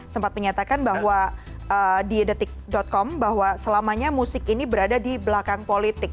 sempat menyatakan bahwa di detik com bahwa selamanya musik ini berada di belakang politik